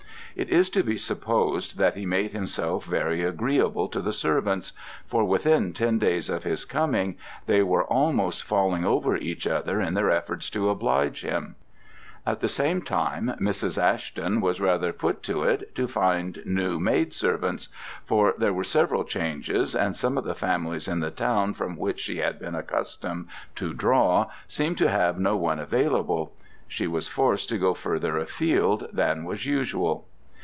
It is to be supposed that he made himself very agreeable to the servants, for within ten days of his coming they were almost falling over each other in their efforts to oblige him. At the same time, Mrs. Ashton was rather put to it to find new maidservants; for there were several changes, and some of the families in the town from which she had been accustomed to draw seemed to have no one available. She was forced to go further afield than was usual.